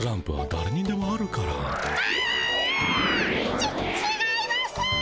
ちっちがいます。